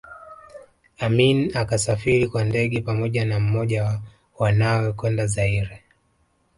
Amin akasafiri kwa ndege pamoja na mmoja wa wanawe kwenda Zaire